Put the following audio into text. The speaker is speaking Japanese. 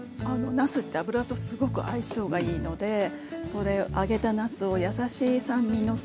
なすって油とすごく相性がいいのでそれを揚げたなすを優しい酸味のつけ汁に浸していきます。